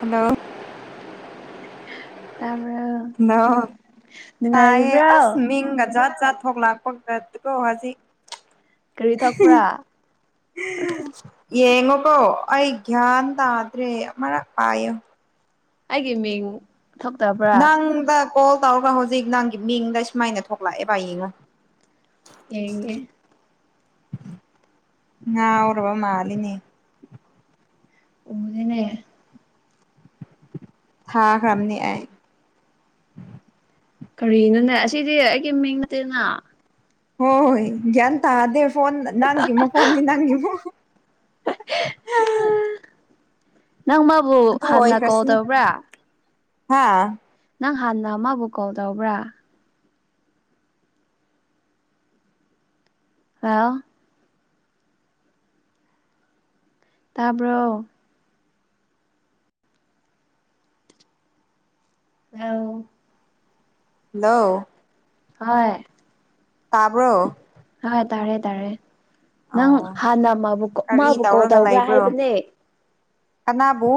hello ꯇꯥꯕ hello ꯇꯥꯏꯌꯦ ꯅꯨꯡꯉꯥꯏꯔꯤꯕ꯭ꯔꯣ ꯑꯁ ꯃꯤꯡꯒ ꯖꯥꯠꯖꯥꯠ ꯊ ꯊꯣꯛꯂꯥꯛꯄꯒ ꯗꯔꯣ ꯉꯁꯤ ꯀꯔꯤ ꯊꯣꯛ ꯄꯔꯥ ꯑꯕꯣ ꯑꯩ ꯒ꯭ꯌꯥꯟ ꯇꯥꯗ꯭ꯔꯦ ꯃꯔꯛ ꯄꯥꯏꯌꯨ ꯑꯩꯒꯤ ꯃꯤꯡ ꯊꯣꯛꯇꯕ꯭ꯔꯥ ꯅꯪꯗ ꯀꯣꯜ ꯇꯧꯕ ꯍꯧꯖꯤꯛ ꯅꯪꯒꯤ ꯃꯤꯡꯗ ꯁꯨꯃꯥꯏꯅ ꯊꯣꯛꯂꯛꯑꯦ ꯕꯥ ꯌꯦꯡꯉꯣ ꯌꯦꯡꯒꯦ ꯉꯥꯎꯔꯕ ꯃꯥꯂꯦꯅꯤ ꯎꯗꯦꯅꯦ ꯊꯥ ꯈ꯭ꯔꯥꯝꯅꯦ ꯑꯩ ꯀꯔꯤꯅꯣꯅꯦ ꯑꯁꯤꯗꯤ ꯑꯩꯒꯤꯃꯤꯡ ꯅꯠꯇꯦꯅ ꯍꯣꯏ ꯒꯌꯥꯟ ꯇꯥꯗꯦ ꯐꯣꯟ ꯅꯪꯒꯤ ꯃꯀꯣꯟꯅꯤ ꯅꯪꯒꯤ ꯃ [unintelligible] ꯅꯪ ꯃꯥꯕꯨ ꯍꯥꯟꯅ ꯀꯣꯜ ꯇꯧꯕ꯭ꯔꯥ ꯍꯥꯥ ꯅꯪ ꯍꯥꯟꯅ ꯃꯥꯕꯨ ꯀꯣꯜ ꯇꯧꯕ꯭ꯔꯥ ꯍꯜꯂꯣ ꯇꯥꯕ꯭ꯔꯣ ꯑꯥꯎ ꯍꯜꯂꯣ ꯍꯣꯏ ꯇꯥꯕ꯭ꯔꯣ ꯍꯣꯏ ꯇꯥꯔꯦ ꯇꯥꯔꯦ ꯅꯪ ꯑꯣ ꯍꯥꯟꯅꯕꯨ ꯀꯔꯤ ꯃꯥꯕꯨ ꯀꯣꯜ ꯇꯧꯔꯒ ꯇꯧꯕ꯭ꯔꯥ ꯂꯩꯕ꯭ꯔꯣ ꯍꯥꯏꯕꯅꯦ ꯀꯅꯥꯕꯨ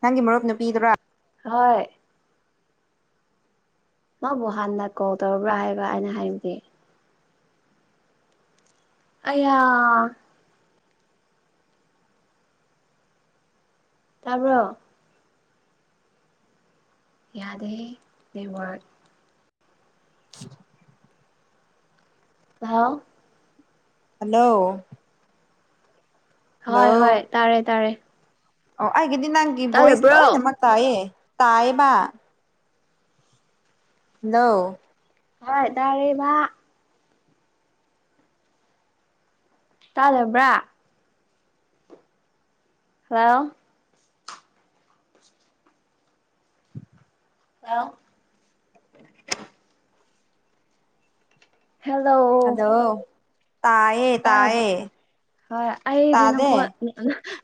ꯅꯪꯒꯤ ꯃꯔꯨꯞ ꯅꯨꯄꯤꯗꯨꯔ ꯍꯣꯏ ꯃꯥꯕꯨ ꯍꯥꯟꯅ ꯀꯣꯜ ꯇꯧꯔꯕ꯭ꯔꯥ ꯍꯥꯏꯕ ꯑꯩꯅ ꯍꯥꯏꯕꯗꯤ ꯑꯩꯌꯥ ꯇꯥꯕ꯭ꯔꯣ ꯌꯥꯗꯦꯍꯦ ꯅꯦꯠꯋꯥꯛ ꯍꯥꯎ ꯍꯜꯂꯣ ꯍꯜꯂꯣ ꯍꯣꯏ ꯍꯣꯏ ꯇꯥꯔꯦ ꯇꯥꯔꯦ ꯑꯣ ꯑꯩꯒꯤꯗꯤ ꯅꯪꯒꯤ ꯚꯣꯏꯁ ꯇꯥꯗꯕ꯭ꯔꯣ ꯂꯣꯏꯅꯃꯛ ꯇꯥꯏꯑꯦ ꯇꯥꯏꯑꯦꯕ ꯍꯜꯂꯣ ꯍꯣꯏ ꯇꯥꯏꯌꯦꯕ ꯇꯥꯗꯕ꯭ꯔꯥ ꯍꯜꯂꯣ ꯍꯜꯂꯣ ꯍꯦꯜꯂꯣ ꯍꯜꯂꯣ ꯇꯥꯏꯌꯦ ꯇꯔꯕ ꯇꯥꯏꯌꯦ ꯍꯣꯏ ꯑꯩꯗꯤ ꯇꯥꯗꯦ ꯅꯈꯣꯏ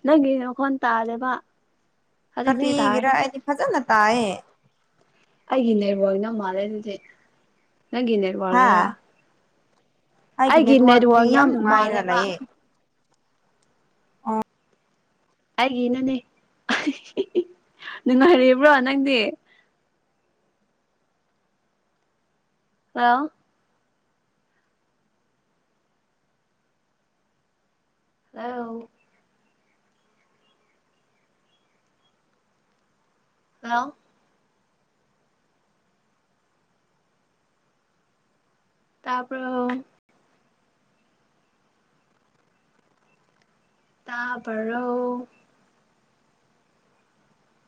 ꯅꯪ ꯅꯈꯣꯟ ꯇꯗꯦꯕ ꯀꯔꯤꯒꯤꯔꯥ ꯑꯩꯗꯤ ꯐꯖꯅ ꯇꯥꯏꯌꯦ ꯑꯩꯒꯤ ꯅꯦꯠꯋꯥꯛ ꯅ ꯃꯥꯜꯂꯦ ꯑꯗꯨꯗꯤ ꯅꯪꯒꯤ ꯍꯥ ꯅꯦꯠꯋꯥꯛꯅꯔꯥ ꯑꯩꯒꯤ ꯅꯦꯠꯋꯥꯛꯇꯤ ꯅꯦꯠꯋꯥꯛꯅ ꯌꯥꯝ ꯅꯨꯡꯉꯥꯏꯔ ꯃꯥꯜꯂꯦꯕ ꯂꯩꯌꯦ ꯑꯩꯒꯤꯅꯅꯦ ꯅꯨꯡꯉꯥꯏꯔꯤꯕ꯭ꯔꯥ ꯅꯪꯗꯤ ꯍꯜꯂꯣ ꯑꯧ ꯍꯜꯂꯣ ꯇꯥꯕꯔꯣ ꯇꯥꯕꯔꯣ